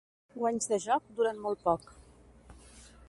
Guanys de joc duren molt poc.